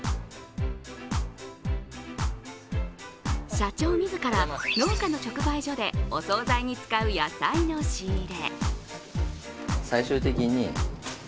社長自ら農家の直売所で、お総菜に使う野菜の仕入れ。